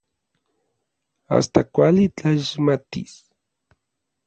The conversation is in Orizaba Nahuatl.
Asta kuali tlaixmatis.